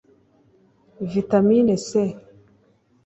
vitamine C